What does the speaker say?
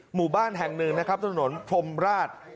หมู่บ้านแห่งหนึ่งนะครับถนนพรมราช